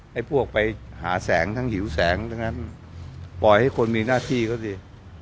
ให้พวกไปหาแสงทั้งหิวแสงปล่อยให้คนมีหน้าที่ก็ดี